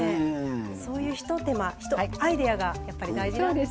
そういうひとアイデアがやっぱり大事なんですね。